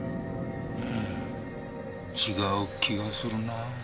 うん違う気がするなぁ。